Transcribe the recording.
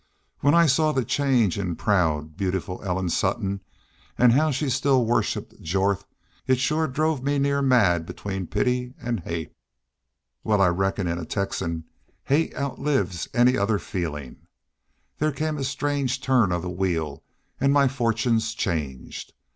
When I saw the change in proud, beautiful Ellen Sutton, an' how she still worshiped Jorth, it shore drove me near mad between pity an' hate.... Wal, I reckon in a Texan hate outlives any other feelin'. There came a strange turn of the wheel an' my fortunes changed.